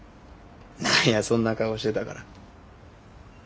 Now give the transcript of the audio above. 何やそんな顔してたから。